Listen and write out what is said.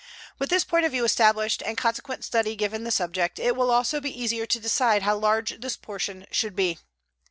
With this point of view established and consequent study given the subject, it will also be easier to decide how large this portion should be.